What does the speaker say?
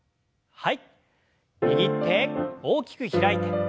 はい。